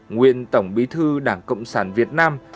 nguyên tổng bí thư đảng cộng sản việt nam